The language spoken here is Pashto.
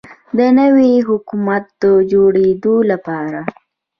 د نوي حکومت د جوړیدو لپاره